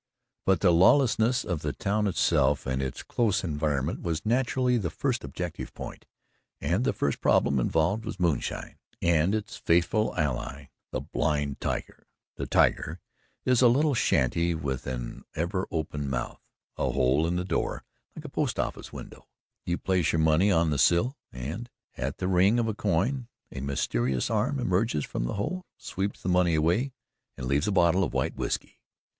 But the lawlessness of the town itself and its close environment was naturally the first objective point, and the first problem involved was moonshine and its faithful ally "the blind tiger." The "tiger" is a little shanty with an ever open mouth a hole in the door like a post office window. You place your money on the sill and, at the ring of the coin, a mysterious arm emerges from the hole, sweeps the money away and leaves a bottle of white whiskey.